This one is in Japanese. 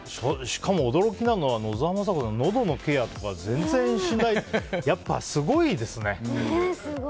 しかも、驚きなのは野沢雅子さんのどのケアとか全然しないってやっぱりすごいですね。